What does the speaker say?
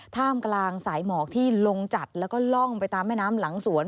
ท่ามกลางสายหมอกที่ลงจัดแล้วก็ล่องไปตามแม่น้ำหลังสวน